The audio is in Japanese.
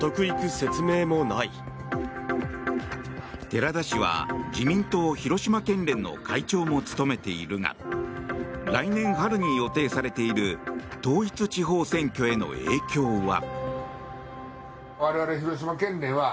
寺田氏は自民党広島県連の会長も務めているが来年春に予定されている統一地方選挙への影響は。